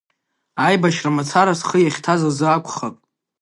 Аибашьра мацара схы иахьҭаз азы акәхап…